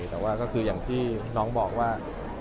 แต่ว่าก็คืออย่างที่น้องบอกว่า